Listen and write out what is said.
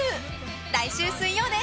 来週水曜です。